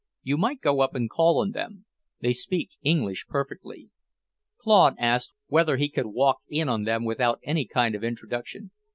You might go up and call on them. They speak English perfectly." Claude asked whether he could walk in on them without any kind of introduction.